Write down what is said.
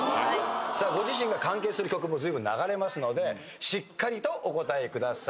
さあご自身が関係する曲もずいぶん流れますのでしっかりとお答えください。